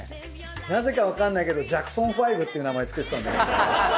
なぜかわかんないけどジャクソン５っていう名前つけてたんだけど。